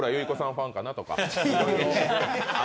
ファンかなとか。